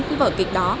cái vở kịch đó